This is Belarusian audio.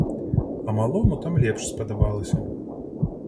А малому там лепш спадабалася.